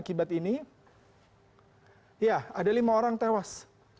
ini ada lima orang tewas